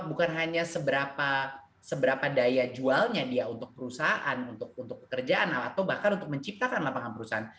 bukan hanya seberapa daya jualnya dia untuk perusahaan untuk pekerjaan atau bahkan untuk menciptakan lapangan perusahaan